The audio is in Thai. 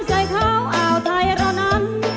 ใส่เท้าอ่าวไทยเหล่านั้น